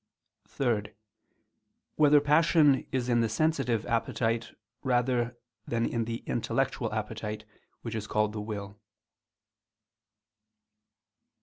(3) Whether passion is in the sensitive appetite rather than in the intellectual appetite, which is called the will?